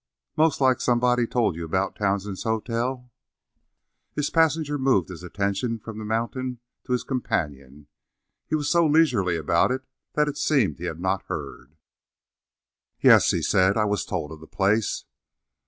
"Most like somebody told you about Townsend's Hotel?" His passenger moved his attention from the mountain to his companion. He was so leisurely about it that it seemed he had not heard. "Yes," he said, "I was told of the place."